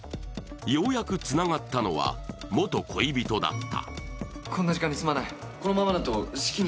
ようやくつながったのは、元恋人だった。